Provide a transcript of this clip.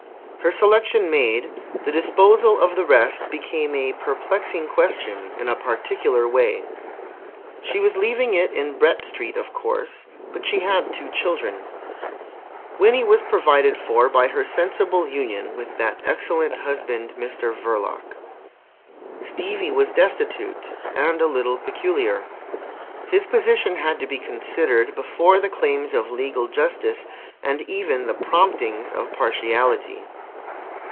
Her selection made, the disposal of the rest became a perplexing question in a particular way. She was leaving it in Brett Street, of course. But she had two children. Winnie was provided for by her sensible union with that excellent husband, Mr Verloc. Stevie was destitute—and a little peculiar. His position had to be considered before the claims of legal justice and even the promptings of partiality.